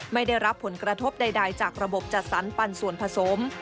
ไม่ได้รับผลกระทบใดจากระบบจัดสรรปันส่วนผสม